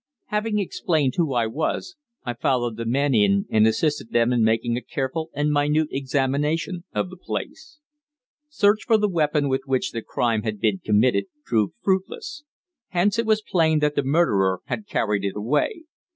Having explained who I was, I followed the men in and assisted them in making a careful and minute examination of the place. Search for the weapon with which the crime had been committed proved fruitless; hence it was plain that the murderer had carried it away.